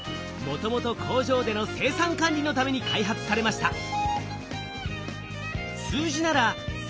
もともと工場での生産管理のために開発されました。